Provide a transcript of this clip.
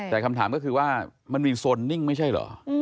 แต่คำถามก็คือว่ามันมีโซนนิ่งไม่ใช่เหรอ